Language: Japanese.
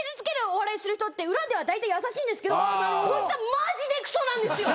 お笑いする人って裏ではだいたい優しいんですけどこいつはマジでクソなんですよ